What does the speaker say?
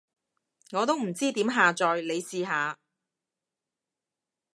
我都唔知點下載，你試下？